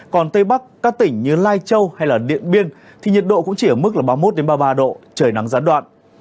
còn tây bắc các tỉnh như lai châu hay điện biên thì nhiệt độ cũng chỉ ở mức ba mươi một ba mươi ba độ trời nắng gián đoạn